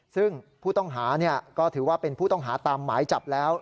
ซึ่งผู้ต้องหาก็ถือว่าเป็นผู้ต้องหาตามหมายจับแล้ว